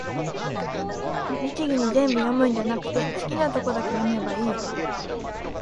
律儀に全部読むんじゃなくて、好きなとこだけ読めばいい